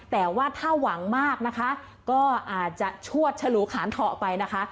แต่ว่าถ้าหวังมากนะคะก็อาจจะชวดฉลูขานเถาะไปนะคะ